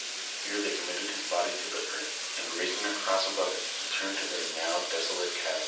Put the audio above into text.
Here they committed his body to the earth, and raising a ci'oss above it, returned to their now desolate cabki.